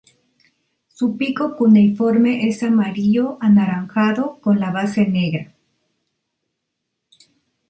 Su pico cuneiforme es amarillo anaranjado con la base negra.